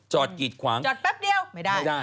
จอดกีดขวางจอดแป๊บเดียวไม่ได้